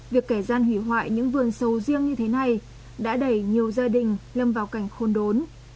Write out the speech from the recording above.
việc kẻ gian hủy hoại những vườn sầu riêng như thế này đã đẩy nhiều gia đình lâm vào cảnh khôn đốn